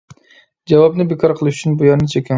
جاۋابنى بىكار قىلىش ئۈچۈن بۇ يەرنى چېكىڭ.